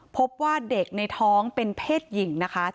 พบว่าเด็กในท้องเป็นเพศหญิงนะคะ